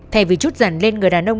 thay vì chút giận lên người đàn ông